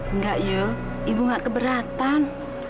enggak jul ibu gak keberatan